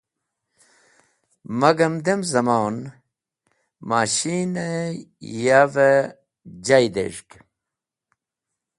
Magam, dem zamon, mashin-e yav-e jay dez̃hg.